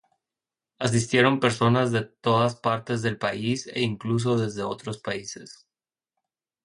Asistieron personas de todas partes del país e incluso desde otros países.